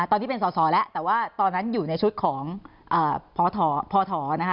ตอนนี้เป็นสอสอแล้วแต่ว่าตอนนั้นอยู่ในชุดของพศนะคะ